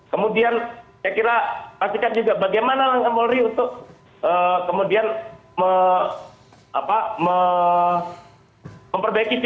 kemudian saya kira pastikan juga bagaimana langkah polri untuk kemudian memperbaiki situasi